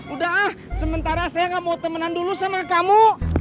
udah ah sementara saya gak mau temenan dulu sama kamu